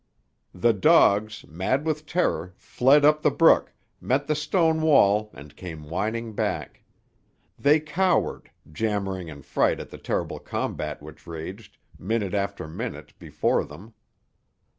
The dogs, mad with terror, fled up the brook, met the stone wall and came whining back. They cowered, jammering in fright at the terrible combat which raged, minute after minute, before them.